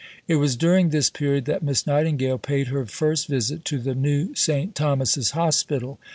It was during this period that Miss Nightingale paid her first visit to the new St. Thomas's Hospital.